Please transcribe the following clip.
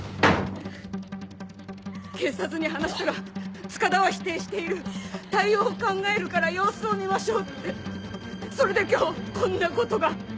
警察に話したら「塚田は否定している対応を考えるから様子を見ましょう」ってそれで今日こんなことが。